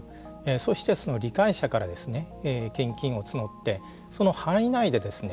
そして、理解者から献金を募ってその範囲内でですね